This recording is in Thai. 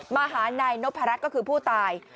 มาหานายนพรัชก็คือผู้ตาย